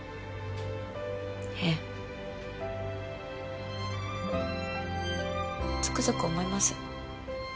ええつくづく思います